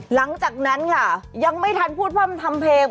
หลังจากนั้นยังไม่ทันพูดความทำเพลง